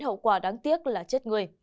hậu quả đáng tiếc là chết người